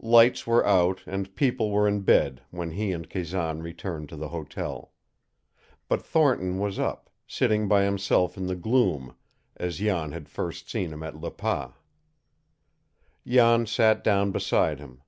Lights were out and people were in bed when he and Kazan returned to the hotel. But Thornton was up, sitting by himself in the gloom, as Jan had first seen him at Le Pas. Jan sat down beside him.